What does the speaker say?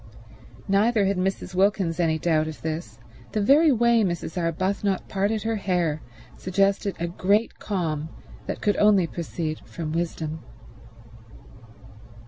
Neither had Mrs. Wilkins any doubt of this; the very way Mrs. Arbuthnot parted her hair suggested a great calm that could only proceed from wisdom.